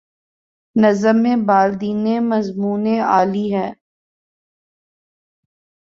لباسِ نظم میں بالیدنِ مضمونِ عالی ہے